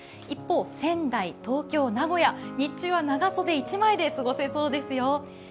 一方、仙台、東京、名古屋日中は長袖一枚で過ごせそうですよ。